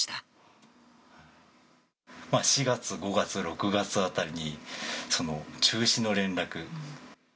４月、５月、６月あたりに、中止の連絡。